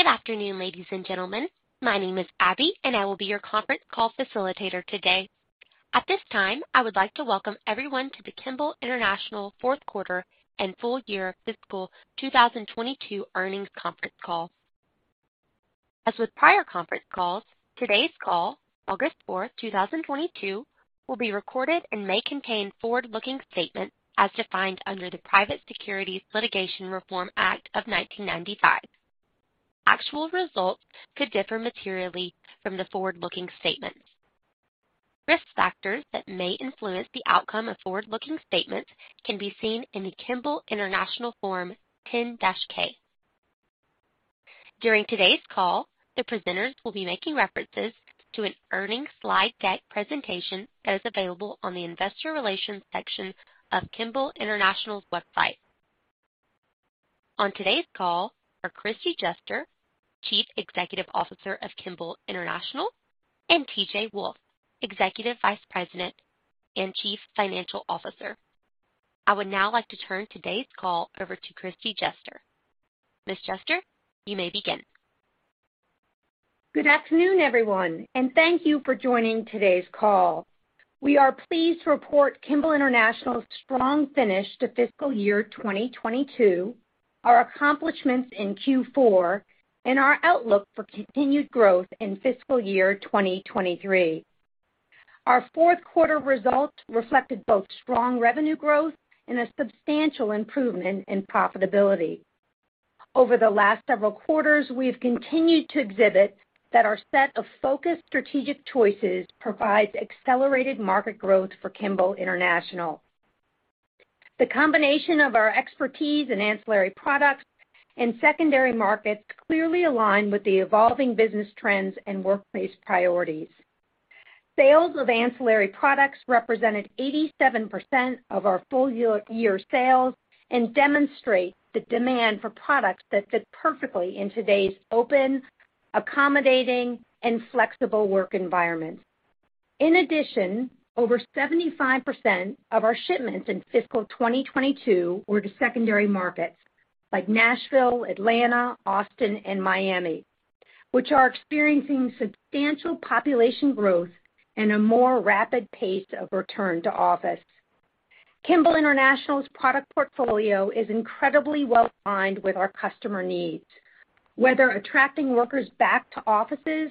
Good afternoon, ladies and gentlemen. My name is Abby, and I will be your conference call facilitator today. At this time, I would like to welcome everyone to the Kimball International Fourth Quarter and Full Year Fiscal 2022 Earnings Conference Call. As with prior conference calls, today's call, August 4, 2022, will be recorded and may contain forward-looking statements as defined under the Private Securities Litigation Reform Act of 1995. Actual results could differ materially from the forward-looking statements. Risk factors that may influence the outcome of forward-looking statements can be seen in the Kimball International Form 10-K. During today's call, the presenters will be making references to an earnings slide deck presentation that is available on the investor relations section of Kimball International's website. On today's call are Kristie Juster, Chief Executive Officer of Kimball International, and T.J. Wolfe, Executive Vice President and Chief Financial Officer. I would now like to turn today's call over to Kristie Juster. Ms. Juster, you may begin. Good afternoon, everyone, and thank you for joining today's call. We are pleased to report Kimball International's strong finish to fiscal year 2022, our accomplishments in Q4, and our outlook for continued growth in fiscal year 2023. Our fourth quarter results reflected both strong revenue growth and a substantial improvement in profitability. Over the last several quarters, we have continued to exhibit that our set of focused strategic choices provides accelerated market growth for Kimball International. The combination of our expertise in ancillary products and secondary markets clearly align with the evolving business trends and workplace priorities. Sales of ancillary products represented 87% of our full year sales and demonstrate the demand for products that fit perfectly in today's open, accommodating, and flexible work environment. In addition, over 75% of our shipments in fiscal 2022 were to secondary markets like Nashville, Atlanta, Austin, and Miami, which are experiencing substantial population growth and a more rapid pace of return to office. Kimball International's product portfolio is incredibly well-aligned with our customer needs, whether attracting workers back to offices,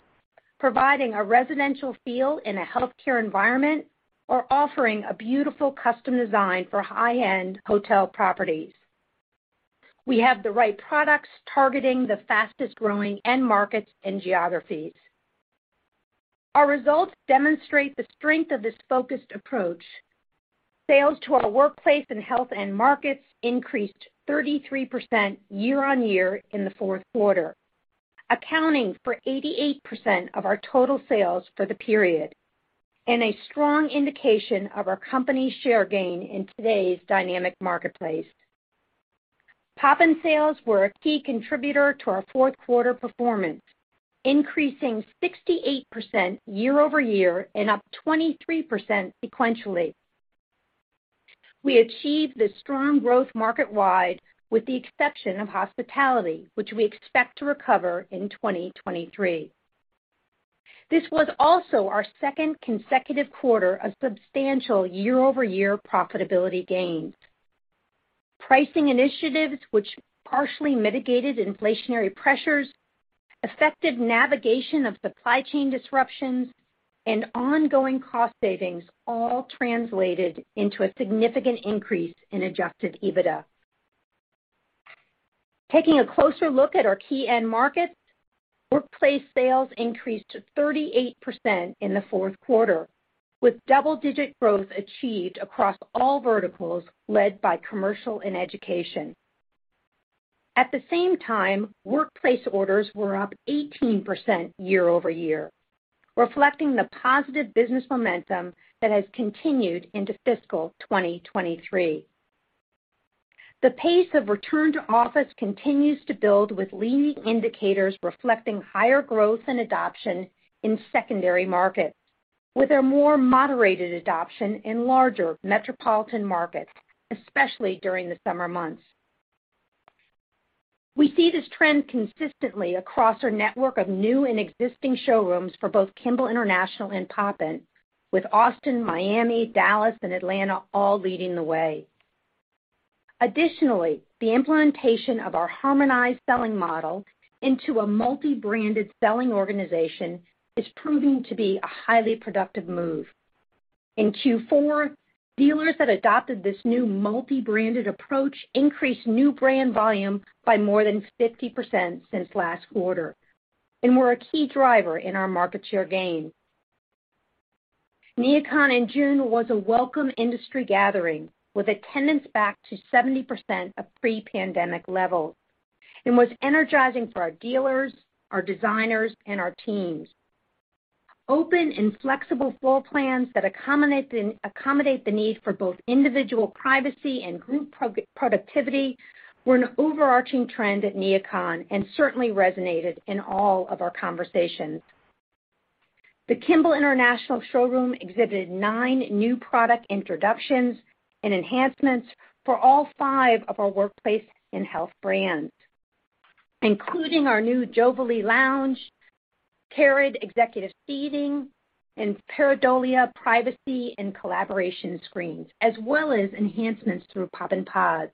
providing a residential feel in a healthcare environment, or offering a beautiful custom design for high-end hotel properties. We have the right products targeting the fastest-growing end markets and geographies. Our results demonstrate the strength of this focused approach. Sales to our workplace and health end markets increased 33% year-on-year in the fourth quarter, accounting for 88% of our total sales for the period and a strong indication of our company's share gain in today's dynamic marketplace. Poppin sales were a key contributor to our fourth quarter performance, increasing 68% year-over-year and up 23% sequentially. We achieved this strong growth market-wide with the exception of hospitality, which we expect to recover in 2023. This was also our second consecutive quarter of substantial year-over-year profitability gains. Pricing initiatives which partially mitigated inflationary pressures, effective navigation of supply chain disruptions, and ongoing cost savings all translated into a significant increase in Adjusted EBITDA. Taking a closer look at our key end markets, workplace sales increased to 38% in the fourth quarter, with double-digit growth achieved across all verticals led by commercial and education. At the same time, workplace orders were up 18% year-over-year, reflecting the positive business momentum that has continued into fiscal 2023. The pace of return to office continues to build with leading indicators reflecting higher growth and adoption in secondary markets, with a more moderated adoption in larger metropolitan markets, especially during the summer months. We see this trend consistently across our network of new and existing showrooms for both Kimball International and Poppin, with Austin, Miami, Dallas, and Atlanta all leading the way. Additionally, the implementation of our harmonized selling model into a multi-branded selling organization is proving to be a highly productive move. In Q4, dealers that adopted this new multi-branded approach increased new brand volume by more than 50% since last quarter and were a key driver in our market share gain. NeoCon in June was a welcome industry gathering, with attendance back to 70% of pre-pandemic levels and was energizing for our dealers, our designers, and our teams. Open and flexible floor plans that accommodate the need for both individual privacy and group productivity were an overarching trend at NeoCon and certainly resonated in all of our conversations. The Kimball International showroom exhibited nine new product introductions and enhancements for all five of our workplace and health brands, including our new Jovalie Lounge, Karid executive seating, and Paradolia privacy and collaboration screens, as well as enhancements through Poppin pods.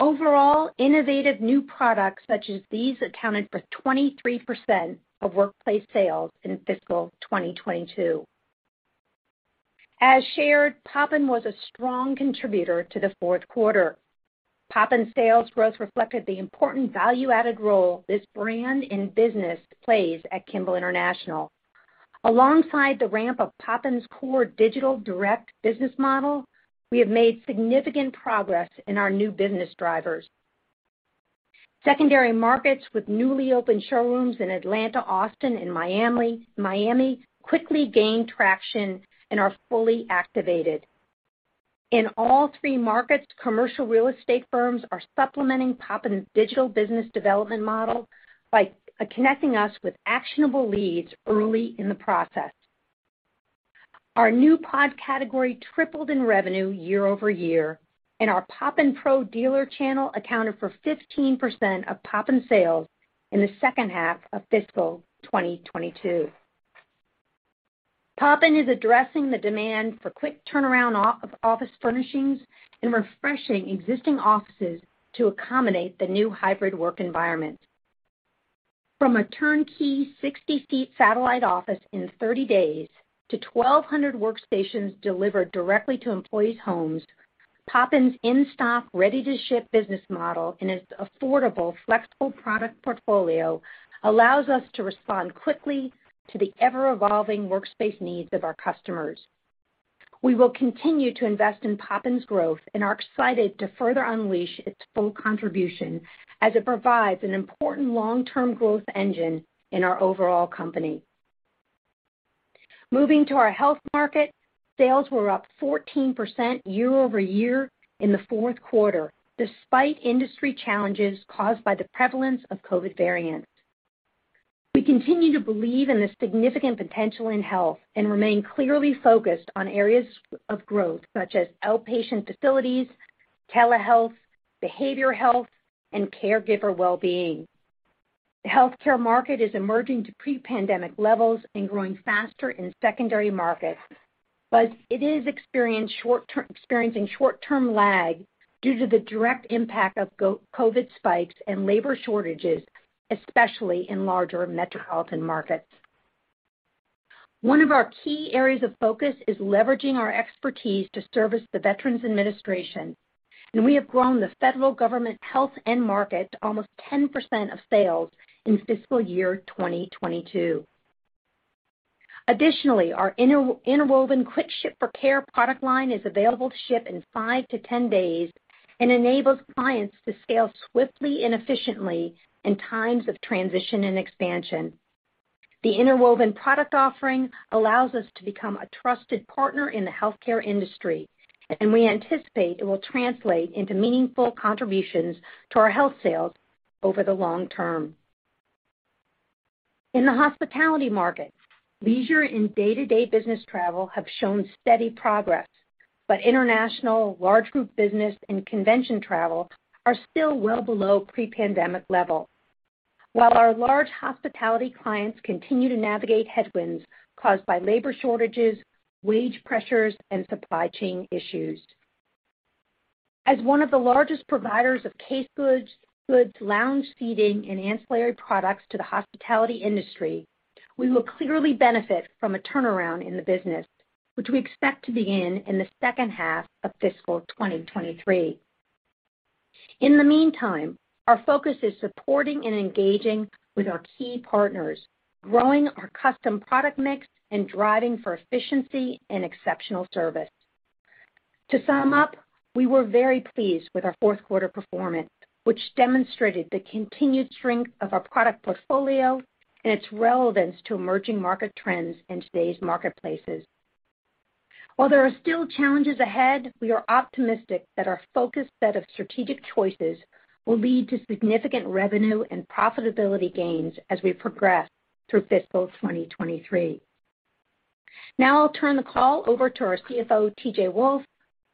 Overall, innovative new products such as these accounted for 23% of workplace sales in fiscal 2022. As shared, Poppin was a strong contributor to the fourth quarter. Poppin's sales growth reflected the important value-added role this brand and business plays at Kimball International. Alongside the ramp of Poppin's core digital direct business model, we have made significant progress in our new business drivers. Secondary markets, with newly opened showrooms in Atlanta, Austin, and Miami, quickly gained traction and are fully activated. In all three markets, commercial real estate firms are supplementing Poppin's digital business development model by connecting us with actionable leads early in the process. Our new pod category tripled in revenue year-over-year, and our PoppinPro dealer channel accounted for 15% of Poppin sales in the second half of fiscal 2022. Poppin is addressing the demand for quick turnaround of office furnishings and refreshing existing offices to accommodate the new hybrid work environment. From a turnkey 60-seat satellite office in 30 days to 1,200 workstations delivered directly to employees' homes, Poppin's in-stock, ready-to-ship business model and its affordable, flexible product portfolio allows us to respond quickly to the ever-evolving workspace needs of our customers. We will continue to invest in Poppin's growth and are excited to further unleash its full contribution as it provides an important long-term growth engine in our overall company. Moving to our health market, sales were up 14% year-over-year in the fourth quarter, despite industry challenges caused by the prevalence of COVID variants. We continue to believe in the significant potential in health and remain clearly focused on areas of growth such as outpatient facilities, telehealth, behavioral health, and caregiver well-being. The healthcare market is emerging to pre-pandemic levels and growing faster in secondary markets, but it is experiencing short-term lag due to the direct impact of COVID spikes and labor shortages, especially in larger metropolitan markets. One of our key areas of focus is leveraging our expertise to service the Veterans Administration, and we have grown the federal government health end market to almost 10% of sales in fiscal year 2022. Additionally, our Interwoven Quick Ship for Care product line is available to ship in 5-10 days and enables clients to scale swiftly and efficiently in times of transition and expansion. The interwoven product offering allows us to become a trusted partner in the healthcare industry, and we anticipate it will translate into meaningful contributions to our health sales over the long term. In the hospitality market, leisure and day-to-day business travel have shown steady progress, but international, large group business, and convention travel are still well below pre-pandemic level. While our large hospitality clients continue to navigate headwinds caused by labor shortages, wage pressures, and supply chain issues. As one of the largest providers of case goods, lounge seating, and ancillary products to the hospitality industry, we will clearly benefit from a turnaround in the business, which we expect to begin in the second half of fiscal 2023. In the meantime, our focus is supporting and engaging with our key partners, growing our custom product mix, and driving for efficiency and exceptional service. To sum up, we were very pleased with our fourth quarter performance, which demonstrated the continued strength of our product portfolio and its relevance to emerging market trends in today's marketplaces. While there are still challenges ahead, we are optimistic that our focused set of strategic choices will lead to significant revenue and profitability gains as we progress through fiscal 2023. Now I'll turn the call over to our CFO, T.J. Wolfe,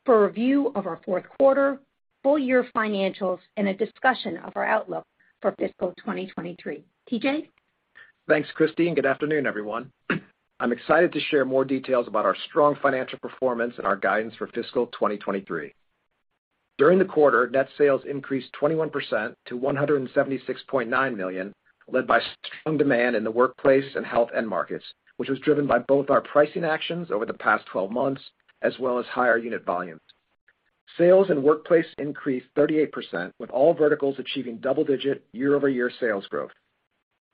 for a review of our fourth quarter full year financials and a discussion of our outlook for fiscal 2023. T.J.? Thanks, Kristie. Good afternoon, everyone. I'm excited to share more details about our strong financial performance and our guidance for fiscal 2023. During the quarter, net sales increased 21% to $176.9 million, led by strong demand in the workplace and health end markets, which was driven by both our pricing actions over the past 12 months as well as higher unit volumes. Sales in workplace increased 38%, with all verticals achieving double-digit year-over-year sales growth.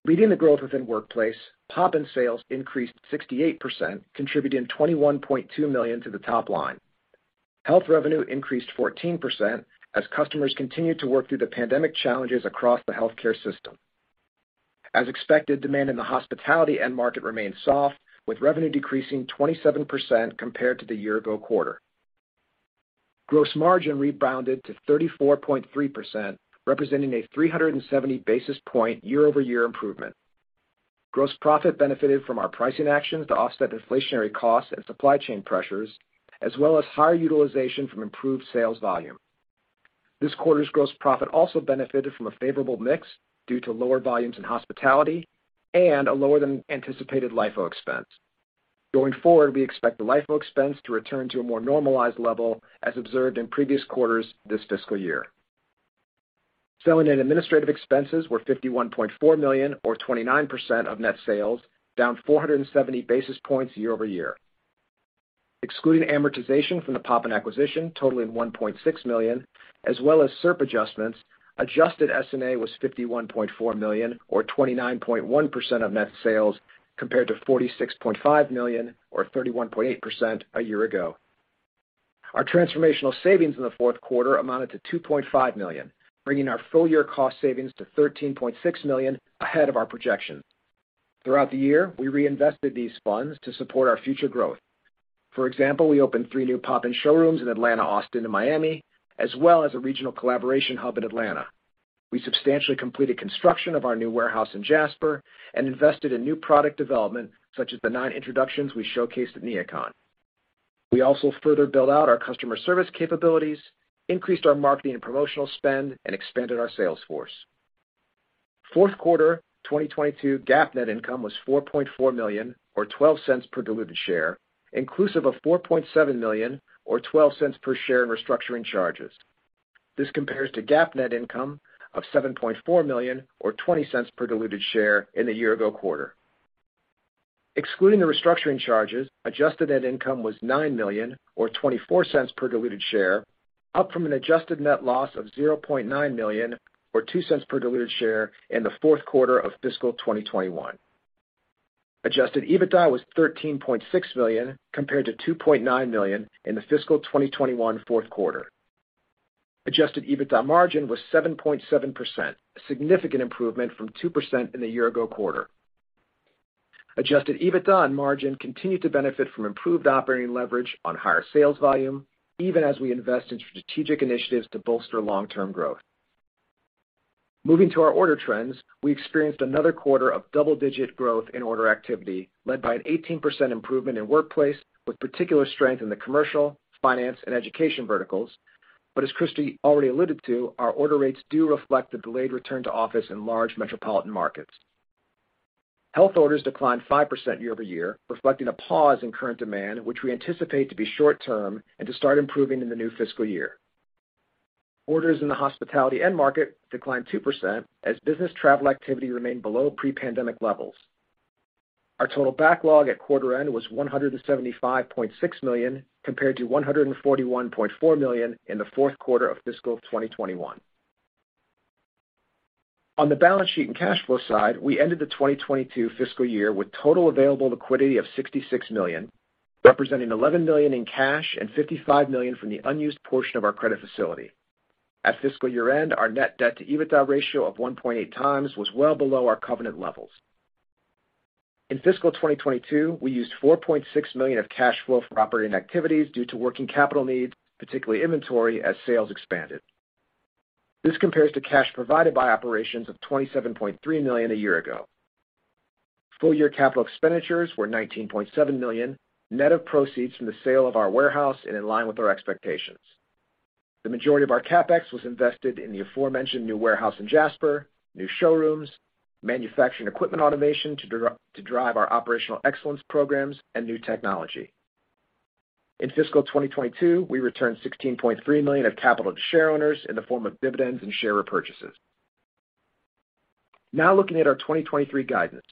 Leading the growth within workplace, Poppin sales increased 68%, contributing $21.2 million to the top line. Health revenue increased 14% as customers continued to work through the pandemic challenges across the healthcare system. As expected, demand in the hospitality end market remained soft, with revenue decreasing 27% compared to the year ago quarter. Gross margin rebounded to 34.3%, representing a 370 basis point year-over-year improvement. Gross profit benefited from our pricing actions to offset inflationary costs and supply chain pressures, as well as higher utilization from improved sales volume. This quarter's gross profit also benefited from a favorable mix due to lower volumes in hospitality and a lower-than-anticipated LIFO expense. Going forward, we expect the LIFO expense to return to a more normalized level as observed in previous quarters this fiscal year. Selling and administrative expenses were $51.4 million or 29% of net sales, down 470 basis points year-over-year. Excluding amortization from the Poppin acquisition totaling $1.6 million as well as SERP adjustments, adjusted S&A was $51.4 million or 29.1% of net sales, compared to $46.5 million or 31.8% a year ago. Our transformational savings in the fourth quarter amounted to $2.5 million, bringing our full year cost savings to $13.6 million ahead of our projection. Throughout the year, we reinvested these funds to support our future growth. For example, we opened three new Poppin showrooms in Atlanta, Austin, and Miami, as well as a regional collaboration hub in Atlanta. We substantially completed construction of our new warehouse in Jasper and invested in new product development, such as the nine introductions we showcased at NeoCon. We also further built out our customer service capabilities, increased our marketing and promotional spend, and expanded our sales force. Fourth quarter 2022 GAAP net income was $4.4 million, or $0.12 per diluted share, inclusive of $4.7 million or $0.12 per share in restructuring charges. This compares to GAAP net income of $7.4 million or $0.20 per diluted share in the year ago quarter. Excluding the restructuring charges, adjusted net income was $9 million or $0.24 per diluted share, up from an adjusted net loss of $0.9 million or $0.02 per diluted share in the fourth quarter of fiscal 2021. Adjusted EBITDA was $13.6 million compared to $2.9 million in the fiscal 2021 fourth quarter. Adjusted EBITDA margin was 7.7%, a significant improvement from 2% in the year-ago quarter. Adjusted EBITDA and margin continued to benefit from improved operating leverage on higher sales volume, even as we invest in strategic initiatives to bolster long-term growth. Moving to our order trends, we experienced another quarter of double-digit growth in order activity led by an 18% improvement in workplace, with particular strength in the commercial, finance and education verticals. As Kristie already alluded to, our order rates do reflect the delayed return to office in large metropolitan markets. Health orders declined 5% year-over-year, reflecting a pause in current demand, which we anticipate to be short-term and to start improving in the new fiscal year. Orders in the hospitality end market declined 2% as business travel activity remained below pre-pandemic levels. Our total backlog at quarter end was $175.6 million, compared to $141.4 million in the fourth quarter of fiscal 2021. On the balance sheet and cash flow side, we ended the 2022 fiscal year with total available liquidity of $66 million, representing $11 million in cash, and $55 million from the unused portion of our credit facility. At fiscal year-end, our net debt to EBITDA ratio of 1.8x was well below our covenant levels. In fiscal 2022, we used $4.6 million of cash flow from operating activities due to working capital needs, particularly inventory, as sales expanded. This compares to cash provided by operations of $27.3 million a year ago. Full year capital expenditures were $19.7 million, net of proceeds from the sale of our warehouse and in line with our expectations. The majority of our CapEx was invested in the aforementioned new warehouse in Jasper, new showrooms, manufacturing equipment automation to drive our operational excellence programs, and new technology. In fiscal 2022, we returned $16.3 million of capital to share owners in the form of dividends and share repurchases. Now looking at our 2023 guidance.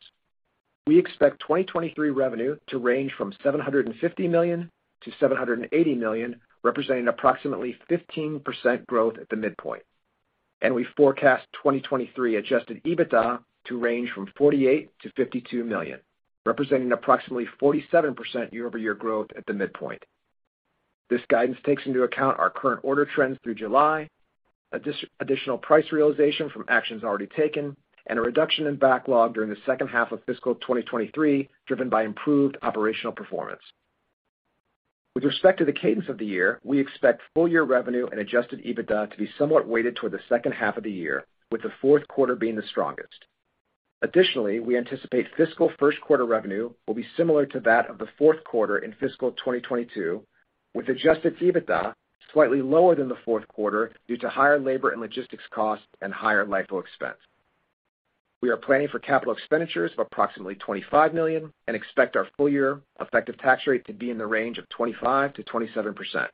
We expect 2023 revenue to range from $750 million-$780 million, representing approximately 15% growth at the midpoint. We forecast 2023 adjusted EBITDA to range from $48 million-$52 million, representing approximately 47% year-over-year growth at the midpoint. This guidance takes into account our current order trends through July, additional price realization from actions already taken, and a reduction in backlog during the second half of fiscal 2023, driven by improved operational performance. With respect to the cadence of the year, we expect full year revenue and Adjusted EBITDA to be somewhat weighted toward the second half of the year, with the fourth quarter being the strongest. Additionally, we anticipate fiscal first quarter revenue will be similar to that of the fourth quarter in fiscal 2022, with Adjusted EBITDA slightly lower than the fourth quarter due to higher labor and logistics costs and higher LIFO expense. We are planning for capital expenditures of approximately $25 million and expect our full year effective tax rate to be in the range of 25%-27%.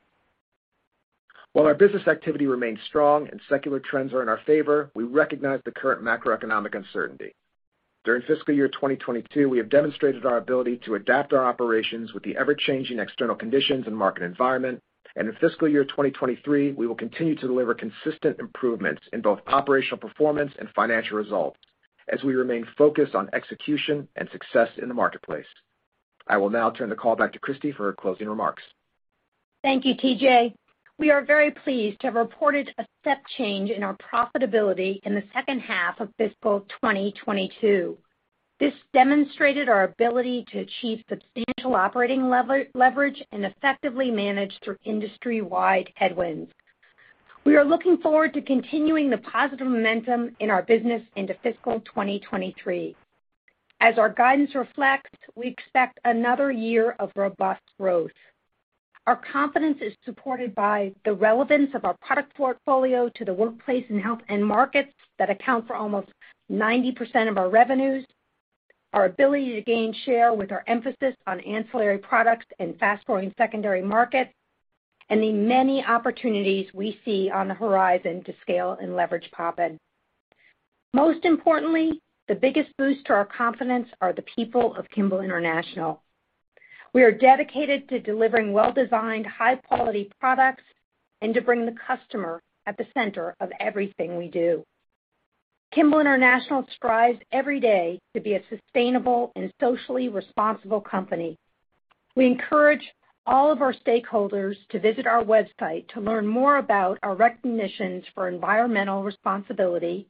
While our business activity remains strong and secular trends are in our favor, we recognize the current macroeconomic uncertainty. During fiscal year 2022, we have demonstrated our ability to adapt our operations with the ever-changing external conditions and market environment. In fiscal year 2023, we will continue to deliver consistent improvements in both operational performance and financial results as we remain focused on execution and success in the marketplace. I will now turn the call back to Kristie for her closing remarks. Thank you, T.J. We are very pleased to have reported a step change in our profitability in the second half of fiscal 2022. This demonstrated our ability to achieve substantial operating leverage and effectively manage through industry-wide headwinds. We are looking forward to continuing the positive momentum in our business into fiscal 2023. As our guidance reflects, we expect another year of robust growth. Our confidence is supported by the relevance of our product portfolio to the workplace and health end markets that account for almost 90% of our revenues, our ability to gain share with our emphasis on ancillary products and fast-growing secondary markets, and the many opportunities we see on the horizon to scale and leverage Poppin. Most importantly, the biggest boost to our confidence are the people of Kimball International. We are dedicated to delivering well-designed, high-quality products and to bring the customer at the center of everything we do. Kimball International strives every day to be a sustainable and socially responsible company. We encourage all of our stakeholders to visit our website to learn more about our recognitions for environmental responsibility,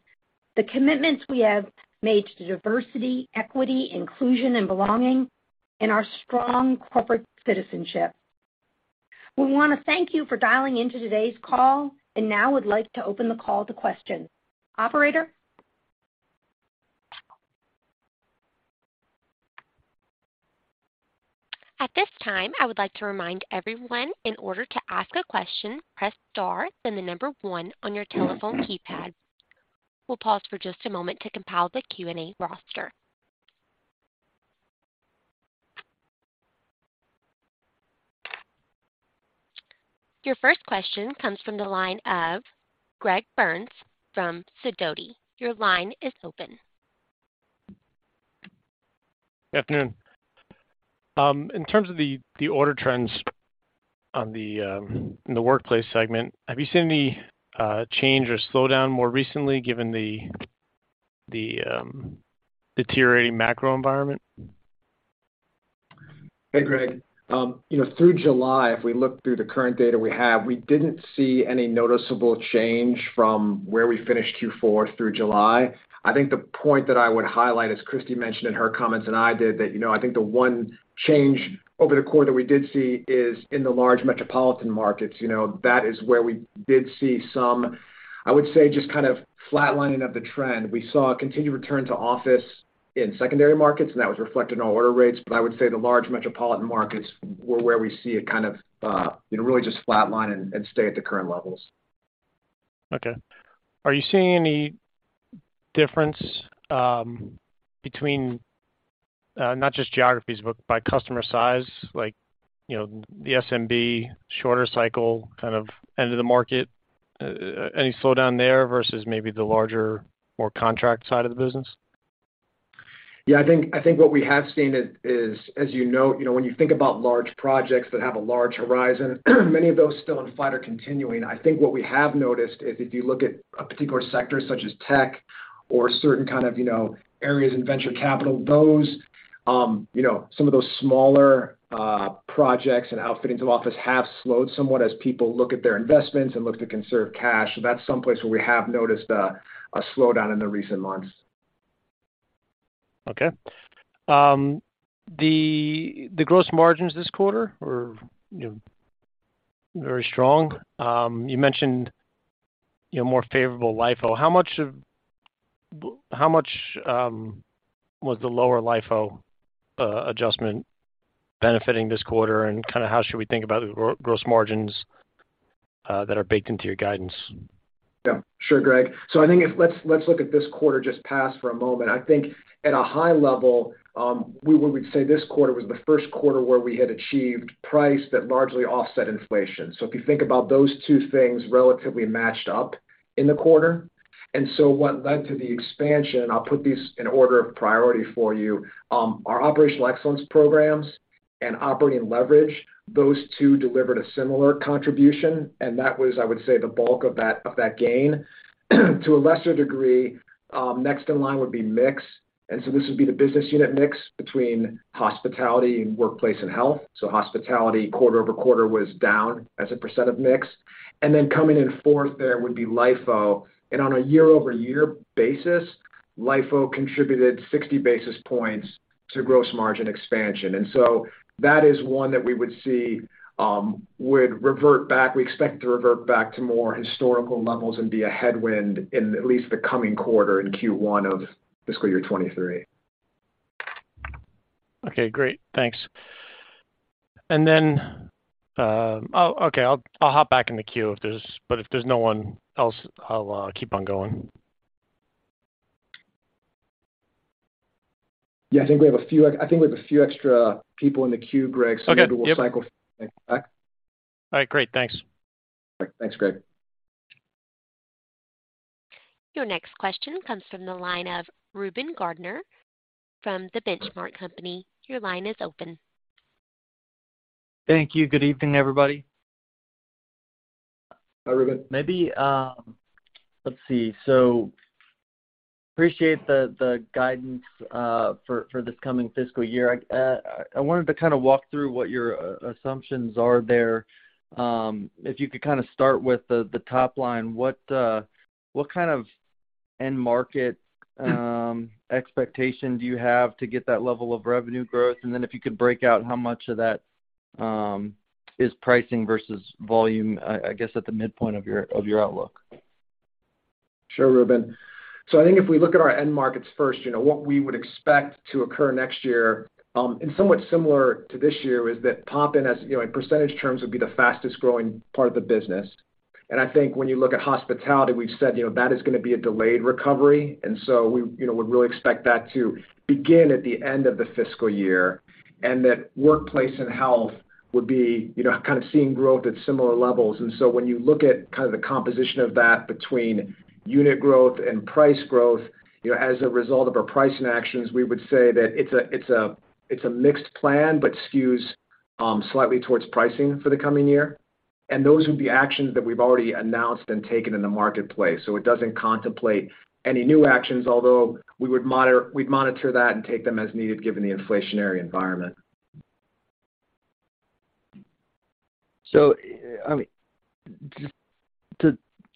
the commitments we have made to diversity, equity, inclusion, and belonging, and our strong corporate citizenship. We wanna thank you for dialing into today's call, and now would like to open the call to questions. Operator? At this time, I would like to remind everyone in order to ask a question, press star then the number one on your telephone keypad. We'll pause for just a moment to compile the Q&A roster. Your first question comes from the line of Greg Burns from Sidoti. Your line is open. Good afternoon. In terms of the order trends in the workplace segment, have you seen any change or slowdown more recently given the deteriorating macro environment? Hey, Greg. You know, through July, if we look through the current data we have, we didn't see any noticeable change from where we finished Q4 through July. I think the point that I would highlight, as Kristie mentioned in her comments and I did, that, you know, I think the one change over the quarter we did see is in the large metropolitan markets. You know, that is where we did see some, I would say, just kind of flatlining of the trend. We saw a continued return to office in secondary markets, and that was reflected in our order rates. I would say the large metropolitan markets were where we see it kind of, you know, really just flatline and stay at the current levels. Okay. Are you seeing any difference between, not just geographies, but by customer size, like, you know, the SMB shorter cycle kind of end of the market, any slowdown there versus maybe the larger, more contract side of the business? Yeah, I think what we have seen is, as you note, you know, when you think about large projects that have a large horizon, many of those still in flight are continuing. I think what we have noticed is if you look at a particular sector such as tech or certain kind of, you know, areas in venture capital, those, you know, some of those smaller projects and outfitting to office have slowed somewhat as people look at their investments and look to conserve cash. That's someplace where we have noticed a slowdown in the recent months. Okay. The gross margins this quarter were, you know, very strong. You mentioned, you know, more favorable LIFO. How much was the lower LIFO adjustment benefiting this quarter, and kinda how should we think about the gross margins that are baked into your guidance? Yeah. Sure, Greg. I think let's look at this quarter just passed for a moment. I think at a high level, we would say this quarter was the first quarter where we had achieved price that largely offset inflation. If you think about those two things relatively matched up in the quarter. What led to the expansion, I'll put these in order of priority for you, our operational excellence programs and operating leverage, those two delivered a similar contribution, and that was, I would say, the bulk of that gain. To a lesser degree, next in line would be mix, this would be the business unit mix between hospitality and workplace and health. Hospitality quarter-over-quarter was down as a percent of mix. Then coming in fourth there would be LIFO. On a year-over-year basis, LIFO contributed 60 basis points to gross margin expansion. That is one that we would see would revert back. We expect to revert back to more historical levels and be a headwind in at least the coming quarter in Q1 of fiscal year 2023. Okay, great. Thanks. Oh, okay, I'll hop back in the queue if there's no one else. I'll keep on going. Yeah, I think we have a few extra people in the queue, Greg. Okay. Yep. Maybe we'll cycle back. All right, great. Thanks. Thanks, Greg. Your next question comes from the line of Reuben Garner from The Benchmark Company. Your line is open. Thank you. Good evening, everybody. Hi, Reuben. Maybe, let's see. Appreciate the guidance for this coming fiscal year. I wanted to kind of walk through what your assumptions are there. If you could kind of start with the top line. What kind of End market expectation do you have to get that level of revenue growth? If you could break out how much of that is pricing versus volume, I guess, at the midpoint of your outlook. Sure, Reuben. I think if we look at our end markets first, you know, what we would expect to occur next year, and somewhat similar to this year, is that Poppin has, you know, in percentage terms, would be the fastest-growing part of the business. I think when you look at hospitality, we've said, you know, that is gonna be a delayed recovery. We, you know, would really expect that to begin at the end of the fiscal year, and that workplace and health would be, you know, kind of seeing growth at similar levels. When you look at kind of the composition of that between unit growth and price growth, you know, as a result of our pricing actions, we would say that it's a mixed plan, but skews slightly towards pricing for the coming year. Those would be actions that we've already announced and taken in the marketplace, so it doesn't contemplate any new actions, although we would monitor that and take them as needed given the inflationary environment.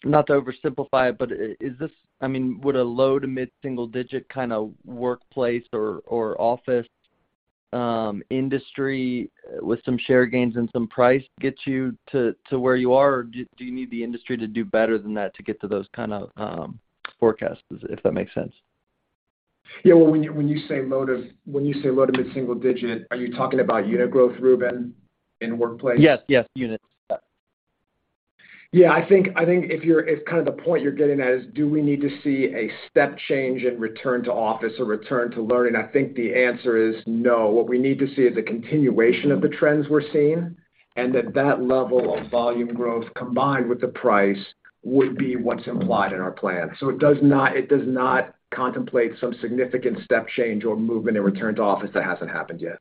Not to oversimplify it, but I mean, would a low- to mid-single-digit kinda workplace or office industry with some share gains and some price get you to where you are? Do you need the industry to do better than that to get to those kind of forecasts, if that makes sense? Yeah. Well, when you say low to mid-single digit, are you talking about unit growth, Reuben, in workplace? Yes. Yes, units. Yeah. Yeah. I think if kind of the point you're getting at is, do we need to see a step change in return to office or return to learning? I think the answer is no. What we need to see is a continuation of the trends we're seeing, and that level of volume growth combined with the price would be what's implied in our plan. It does not contemplate some significant step change or movement in return to office that hasn't happened yet.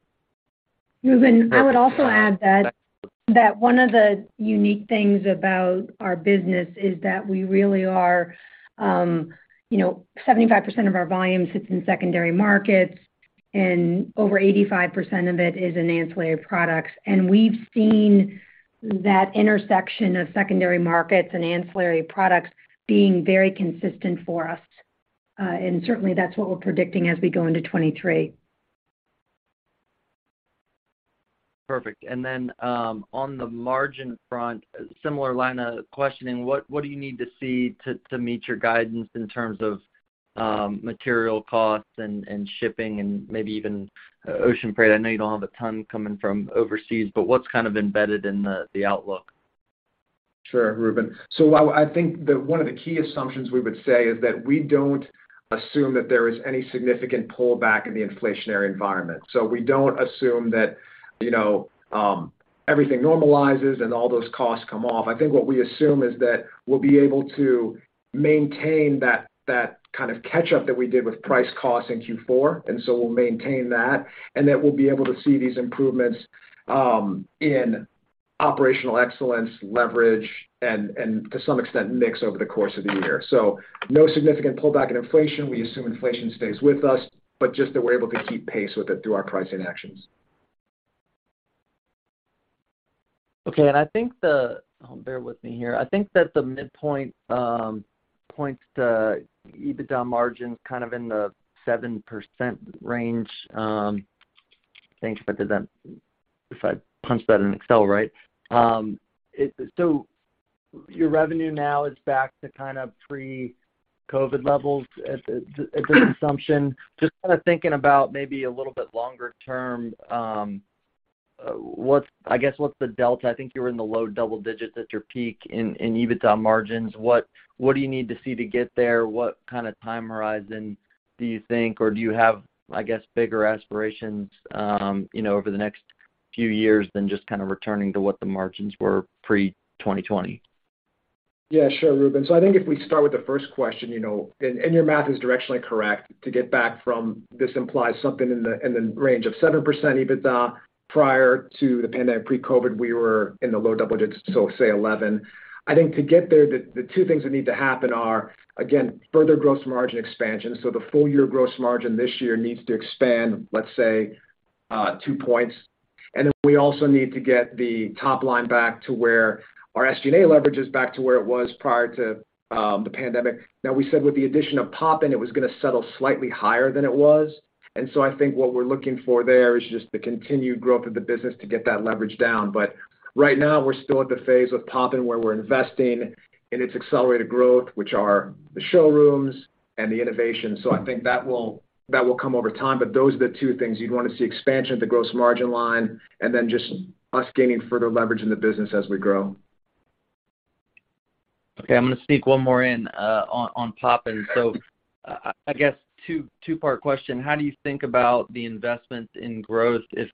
Reuben, I would also add that one of the unique things about our business is that we really are, you know, 75% of our volume sits in secondary markets, and over 85% of it is in ancillary products. We've seen that intersection of secondary markets and ancillary products being very consistent for us. Certainly, that's what we're predicting as we go into 2023. Perfect. On the margin front, similar line of questioning, what do you need to see to meet your guidance in terms of material costs and shipping and maybe even ocean freight? I know you don't have a ton coming from overseas, but what's kind of embedded in the outlook? Sure, Ruben. I think one of the key assumptions we would say is that we don't assume that there is any significant pullback in the inflationary environment. We don't assume that, you know, everything normalizes and all those costs come off. I think what we assume is that we'll be able to maintain that kind of catch-up that we did with price cost in Q4, and so we'll maintain that, and that we'll be able to see these improvements in operational excellence, leverage, and to some extent, mix over the course of the year. No significant pullback in inflation. We assume inflation stays with us, but just that we're able to keep pace with it through our pricing actions. Okay. I think the midpoint points to EBITDA margins kind of in the 7% range, I think, but that if I punch that in Excel right. It. So your revenue now is back to kind of pre-COVID levels at the assumption. Just kinda thinking about maybe a little bit longer term, what's the delta? I think you were in the low double digits at your peak in EBITDA margins. What do you need to see to get there? What kind of time horizon do you think, or do you have, I guess, bigger aspirations, you know, over the next few years than just kind of returning to what the margins were pre-2020? Yeah, sure, Reuben. I think if we start with the first question, you know, and your math is directionally correct. To get back from this implies something in the range of 7% EBITDA. Prior to the pandemic, pre-COVID, we were in the low double digits, so say 11. I think to get there, the two things that need to happen are, again, further gross margin expansion. The full-year gross margin this year needs to expand, let's say, two points. We also need to get the top line back to where our SG&A leverage is back to where it was prior to the pandemic. Now, we said with the addition of Poppin, it was gonna settle slightly higher than it was. I think what we're looking for there is just the continued growth of the business to get that leverage down. Right now, we're still at the phase with Poppin, where we're investing in its accelerated growth, which are the showrooms and the innovation. I think that will come over time. Those are the two things. You'd wanna see expansion of the gross margin line and then just us gaining further leverage in the business as we grow. Okay, I'm gonna sneak one more in on Poppin. I guess two-part question: How do you think about the investment in growth if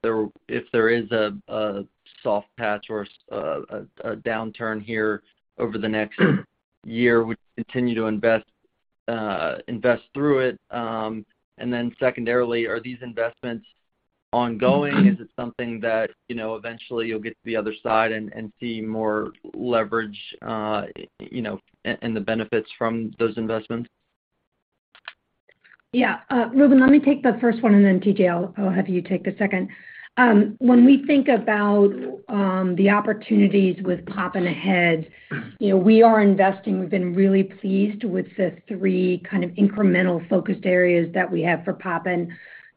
there is a soft patch or a downturn here over the next year? Would you continue to invest through it? And then secondarily, are these investments ongoing? Is it something that you know, eventually you'll get to the other side and see more leverage, you know, and the benefits from those investments? Yeah. Reuben, let me take the first one, and then T.J., I'll have you take the second. When we think about the opportunities with Poppin ahead, you know, we are investing. We've been really pleased with the three kind of incremental focused areas that we have for Poppin.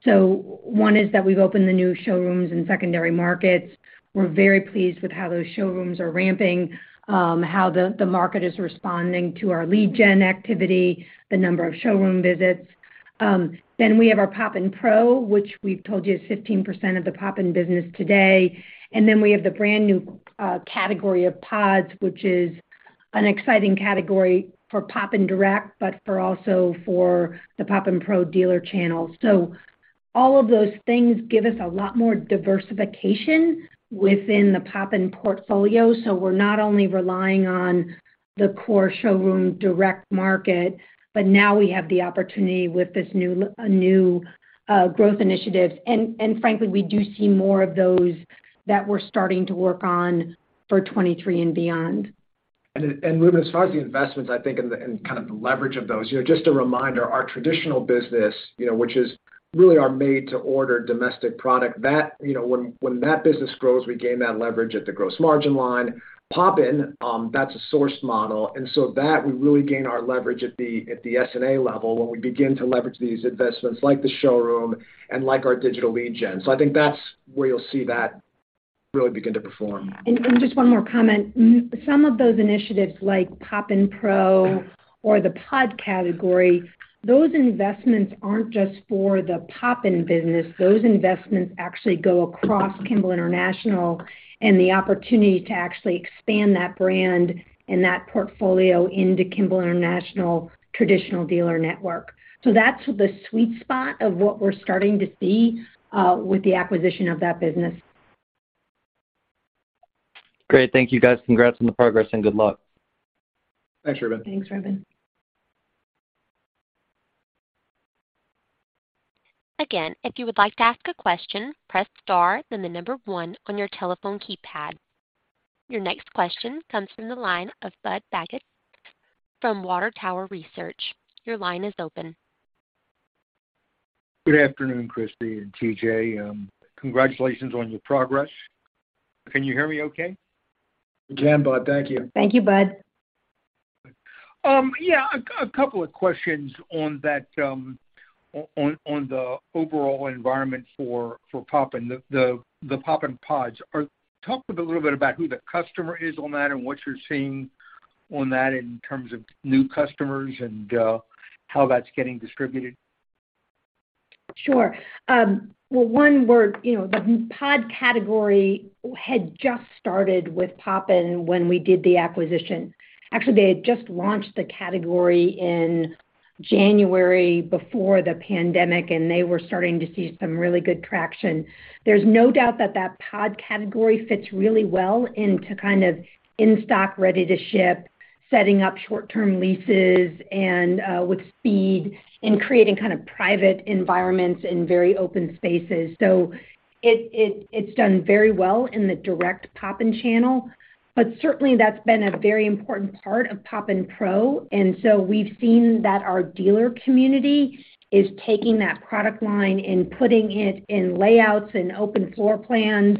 One is that we've opened the new showrooms in secondary markets. We're very pleased with how those showrooms are ramping, how the market is responding to our lead gen activity, the number of showroom visits. Then we have our PoppinPro, which we've told you is 15% of the Poppin business today. Then we have the brand new category of pods, which is an exciting category for Poppin direct, but also for the PoppinPro dealer channel. All of those things give us a lot more diversification within the Poppin portfolio, so we're not only relying on the core showroom direct market, but now we have the opportunity with this new growth initiatives. Frankly, we do see more of those that we're starting to work on for 2023 and beyond. Reuben, as far as the investments, I think and kind of the leverage of those, you know, just a reminder, our traditional business, you know, which is really our made-to-order domestic product, that, you know, when that business grows, we gain that leverage at the gross margin line. Poppin, that's a sourced model. That we really gain our leverage at the S&A level when we begin to leverage these investments like the showroom and like our digital lead gen. I think that's where you'll see that really begin to perform. Just one more comment. Some of those initiatives like PoppinPro or the pod category, those investments aren't just for the Poppin business. Those investments actually go across Kimball International and the opportunity to actually expand that brand and that portfolio into Kimball International traditional dealer network. That's the sweet spot of what we're starting to see with the acquisition of that business. Great. Thank you, guys. Congrats on the progress and good luck. Thanks, Reuben. Thanks, Reuben. Again, if you would like to ask a question, press star then the number one on your telephone keypad. Your next question comes from the line of Budd Bugatch from Water Tower Research. Your line is open. Good afternoon, Kristie and T.J. Congratulations on your progress. Can you hear me okay? We can, Budd. Thank you. Thank you, Budd. Yeah, a couple of questions on that, on the overall environment for Poppin. The Poppin pods. Talk a little bit about who the customer is on that and what you're seeing on that in terms of new customers and how that's getting distributed. Sure. Well, you know, the pod category had just started with Poppin when we did the acquisition. Actually, they had just launched the category in January before the pandemic, and they were starting to see some really good traction. There's no doubt that the pod category fits really well into kind of in-stock, ready-to-ship, setting up short-term leases and with speed and creating kind of private environments in very open spaces. It's done very well in the direct Poppin channel. Certainly that's been a very important part of PoppinPro, and so we've seen that our dealer community is taking that product line and putting it in layouts and open floor plans,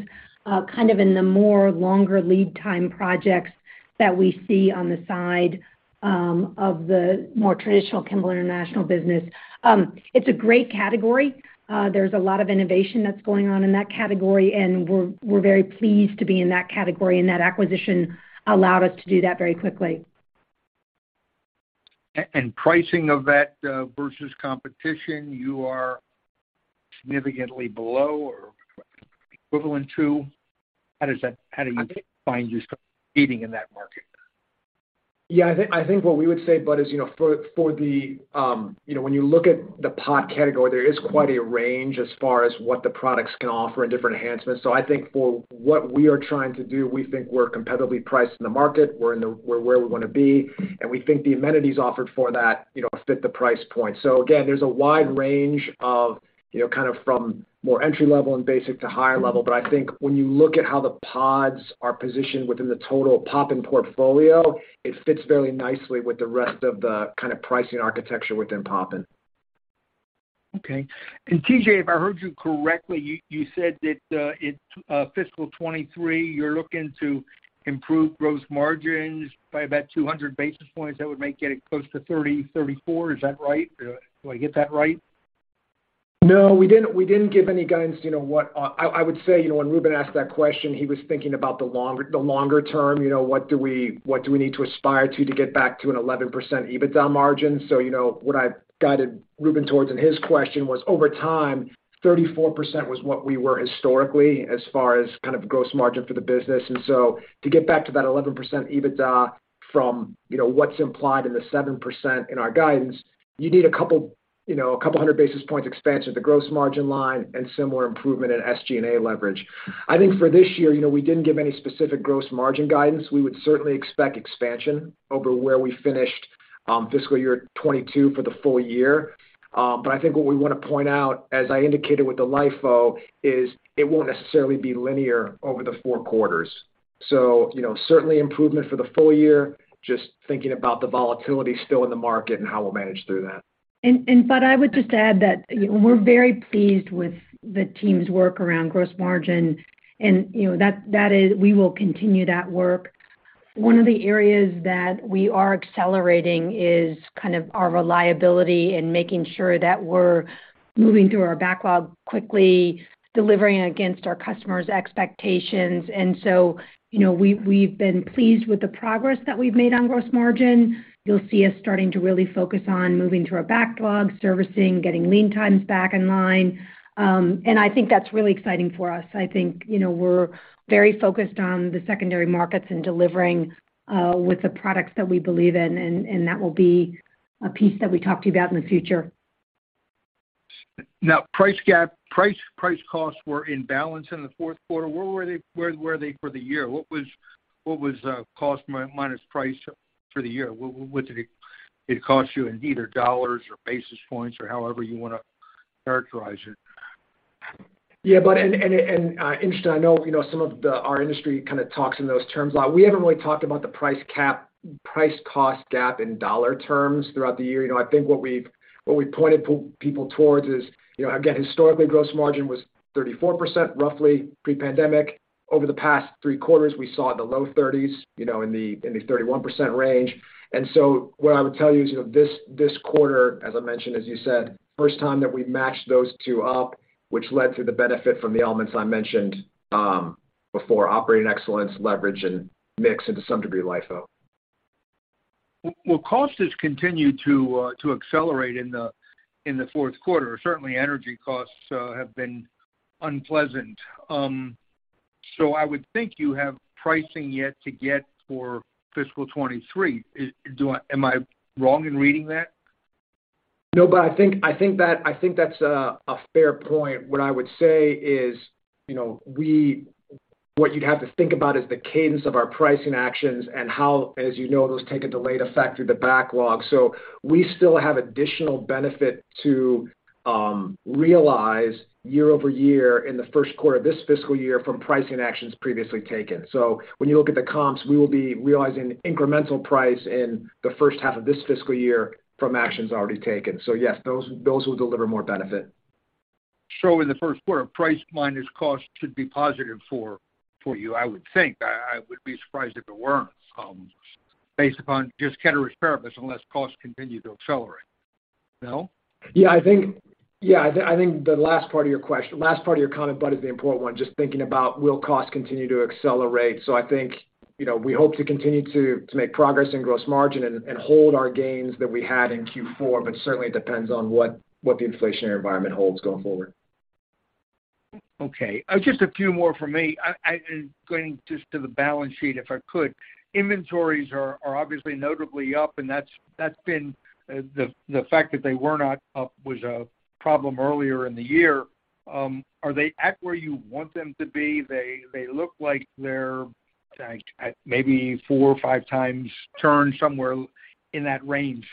kind of in the more longer lead time projects that we see on the side of the more traditional Kimball International business. It's a great category. There's a lot of innovation that's going on in that category, and we're very pleased to be in that category, and that acquisition allowed us to do that very quickly. Pricing of that versus competition, you are significantly below or equivalent to? How do you find you're competing in that market? Yeah. I think what we would say, Budd, is, you know, for the, you know, when you look at the pod category, there is quite a range as far as what the products can offer and different enhancements. I think for what we are trying to do, we think we're competitively priced in the market. We're where we wanna be, and we think the amenities offered for that, you know, fit the price point. Again, there's a wide range of, you know, kind of from more entry-level and basic to higher level. I think when you look at how the pods are positioned within the total Poppin portfolio, it fits very nicely with the rest of the kinda pricing architecture within Poppin. Okay. T.J., if I heard you correctly, you said that in fiscal 2023, you're looking to improve gross margins by about 200 basis points. That would make it close to 33%-34%. Is that right? Do I get that right? No. We didn't give any guidance, you know. What I would say, you know, when Reuben asked that question, he was thinking about the longer term, you know, what do we need to aspire to get back to an 11% EBITDA margin? You know, what I guided Ruben towards in his question was over time, 34% was what we were historically as far as kind of gross margin for the business. To get back to that 11% EBITDA from, you know, what's implied in the 7% in our guidance, you need a couple hundred basis points expansion at the gross margin line and similar improvement in SG&A leverage. I think for this year, you know, we didn't give any specific gross margin guidance. We would certainly expect expansion over where we finished, fiscal year 2022 for the full year. I think what we wanna point out, as I indicated with the LIFO, is it won't necessarily be linear over the four quarters. You know, certainly improvement for the full year, just thinking about the volatility still in the market and how we'll manage through that. I would just add that we're very pleased with the team's work around gross margin. You know, we will continue that work. One of the areas that we are accelerating is kind of our reliability and making sure that we're moving through our backlog quickly, delivering against our customers' expectations. You know, we've been pleased with the progress that we've made on gross margin. You'll see us starting to really focus on moving through our backlog, servicing, getting lead times back in line. I think that's really exciting for us. I think, you know, we're very focused on the secondary markets and delivering with the products that we believe in, and that will be a piece that we talk to you about in the future. Now, price costs were in balance in the fourth quarter. Where were they for the year? What was cost minus price for the year? What did it cost you in either dollars or basis points or however you wanna characterize it? Yeah, Budd, interesting, I know, you know, some of our industry kind of talks in those terms a lot. We haven't really talked about the price cost gap in dollar terms throughout the year. You know, I think what we've pointed people towards is, you know, again, historically, gross margin was 34%, roughly, pre-pandemic. Over the past three quarters, we saw in the low 30s, you know, in the 31% range. What I would tell you is, you know, this quarter, as I mentioned, as you said, first time that we've matched those two up, which led to the benefit from the elements I mentioned before operating excellence, leverage, and mix to some degree LIFO. Will costs just continue to accelerate in the fourth quarter? Certainly, energy costs have been unpleasant. I would think you have pricing yet to get for fiscal 2023. Am I wrong in reading that? No, but I think that's a fair point. What I would say is, you know, what you'd have to think about is the cadence of our pricing actions and how, as you know, those take a delayed effect through the backlog. We still have additional benefit to realize year-over-year in the first quarter, this fiscal year from pricing actions previously taken. When you look at the comps, we will be realizing incremental price in the first half of this fiscal year from actions already taken. Yes, those will deliver more benefit. In the first quarter, price minus cost should be positive for you, I would think. I would be surprised if it weren't, based upon just ceteris paribus, unless costs continue to accelerate. No? Yeah, I think the last part of your comment, Budd, is the important one, just thinking about whether costs will continue to accelerate. I think, you know, we hope to continue to make progress in gross margin and hold our gains that we had in Q4, but certainly it depends on what the inflationary environment holds going forward. Okay. Just a few more from me. Going just to the balance sheet, if I could. Inventories are obviously notably up, and that's been the fact that they were not up was a problem earlier in the year. Are they at where you want them to be? They look like they're at maybe four or five times turn, somewhere in that range.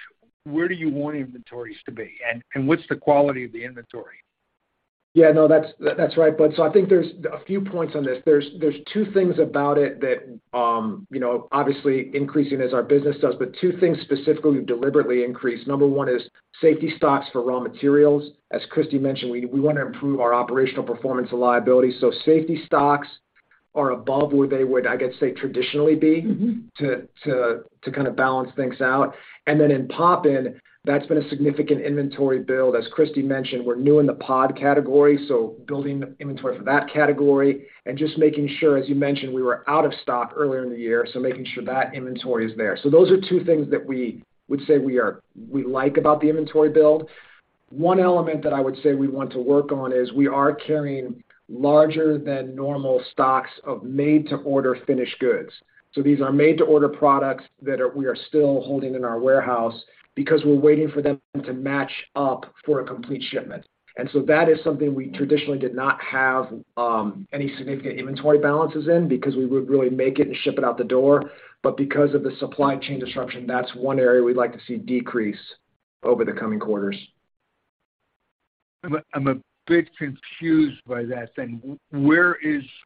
Where do you want inventories to be? And what's the quality of the inventory? Yeah, no, that's right. I think there's a few points on this. There's two things about it that, you know, obviously increasing as our business does, but two things specifically we've deliberately increased. Number one is safety stocks for raw materials. As Kristie mentioned, we wanna improve our operational performance and reliability. Safety stocks are above where they would, I guess, say, traditionally be to kinda balance things out. Then in Poppin, that's been a significant inventory build. As Kristie mentioned, we're new in the pod category, so building the inventory for that category and just making sure, as you mentioned, we were out of stock earlier in the year, so making sure that inventory is there. Those are two things that we would say we like about the inventory build. One element that I would say we want to work on is we are carrying larger than normal stocks of made to order finished goods. These are made to order products that we are still holding in our warehouse because we're waiting for them to match up for a complete shipment. That is something we traditionally did not have any significant inventory balances in because we would really make it and ship it out the door. Because of the supply chain disruption, that's one area we'd like to see decrease over the coming quarters. I'm a bit confused by that then. Where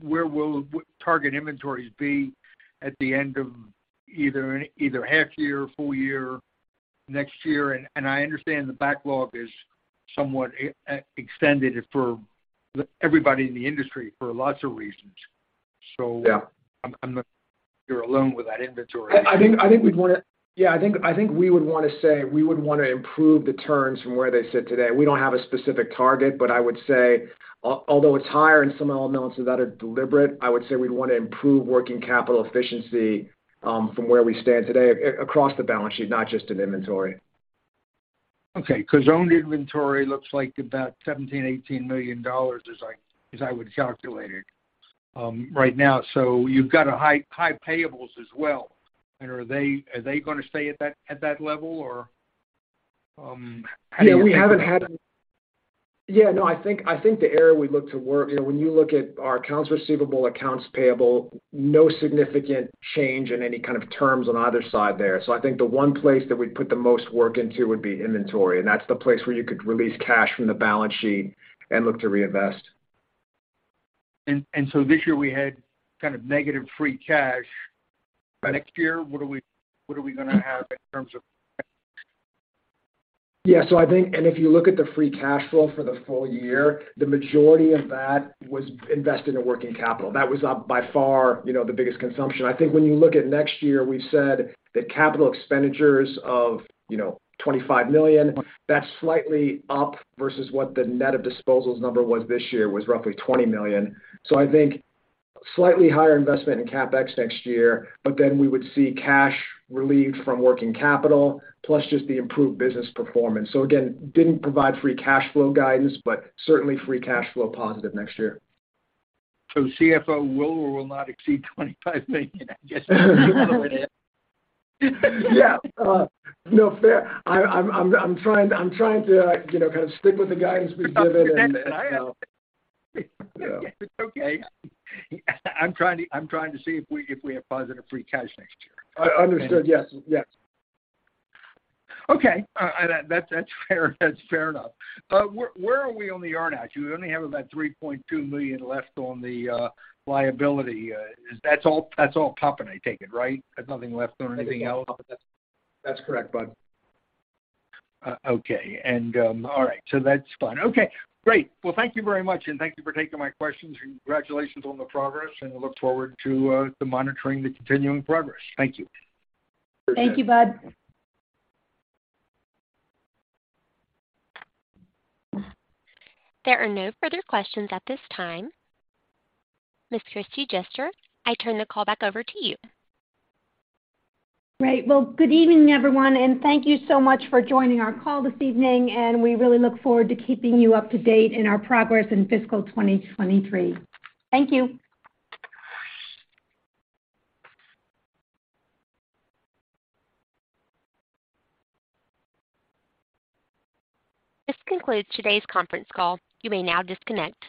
will target inventories be at the end of either half year or full year next year? I understand the backlog is somewhat extended for everybody in the industry for lots of reasons. Yeah You're alone with that inventory. I think we'd wanna. Yeah, I think we would wanna say we would wanna improve the turns from where they sit today. We don't have a specific target, but I would say although it's higher in some elements that are deliberate, I would say we'd wanna improve working capital efficiency, from where we stand today across the balance sheet, not just in inventory. Okay. 'Cause owned inventory looks like about $17 million-$18 million as I would calculate it right now. You've got high payables as well. Are they gonna stay at that level or how do you think about that? I think the area we look to work, you know, when you look at our accounts receivable, accounts payable, no significant change in any kind of terms on either side there. I think the one place that we'd put the most work into would be inventory, and that's the place where you could release cash from the balance sheet and look to reinvest. This year we had kind of negative free cash. Next year, what are we gonna have in terms of? Yeah. I think if you look at the free cash flow for the full year, the majority of that was invested in working capital. That was, by far, you know, the biggest consumption. I think when you look at next year, we've said that capital expenditures of, you know, $25 million, that's slightly up versus what the net of disposals number was this year, was roughly $20 million. I think slightly higher investment in CapEx next year, but then we would see cash relieved from working capital plus just the improved business performance. Again, didn't provide free cash flow guidance, but certainly free cash flow positive next year. So CFO will or will not exceed $25 million, I guess. Yeah. No fair. I'm trying to, you know, kind of stick with the guidance we've given and, you know. It's okay. I'm trying to see if we have positive free cash next year. Understood. Yes. Yes. Okay. That's fair. That's fair enough. Where are we on the earn-out? You only have about $3.2 million left on the liability. That's all Poppin, I take it, right? There's nothing left on anything else. That's correct, Budd. Okay. All right. That's fine. Okay, great. Well, thank you very much, and thank you for taking my questions. Congratulations on the progress, and we look forward to monitoring the continuing progress. Thank you. Thank you, Budd. There are no further questions at this time. Ms. Kristie Juster, I turn the call back over to you. Great. Well, good evening, everyone, and thank you so much for joining our call this evening, and we really look forward to keeping you up to date in our progress in fiscal 2023. Thank you. This concludes today's conference call. You may now disconnect.